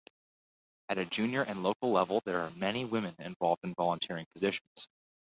At a junior and local level there are many women involved in volunteering positions.